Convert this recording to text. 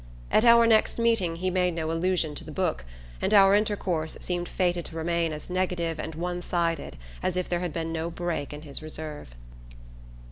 At our next meeting he made no allusion to the book, and our intercourse seemed fated to remain as negative and one sided as if there had been no break in his reserve.